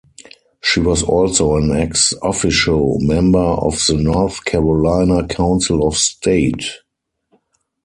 She was also an ex offico member of the North Carolina Council of State.